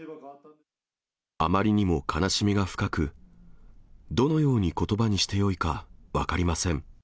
あまりにも悲しみが深く、どのようにことばにしてよいか分かりません。